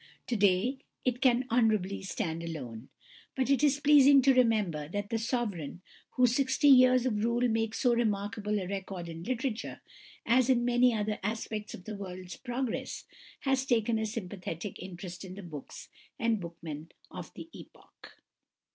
To day it can honourably stand alone. But it is pleasing to remember that the sovereign whose sixty years of rule make so remarkable a record in literature, as in many other aspects of the world's progress, has taken a sympathetic interest in the books and bookmen of the epoch.